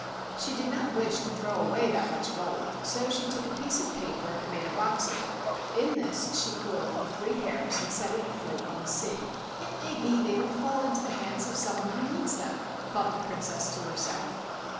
She did not wish to throw away that much gold, so she took a piece of paper and made a box of it. In this she coiled the three hairs 43 THE WONDERFUL RING and set it afloat on the sea. "It may be they will fall into the hajnds of some one who needs them," thought the Princess to herself.